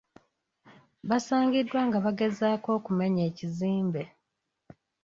Basangiddwa nga bagezaako okumenya ekizimbe.